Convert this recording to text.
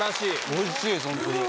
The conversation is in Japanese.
おいしいですホントに。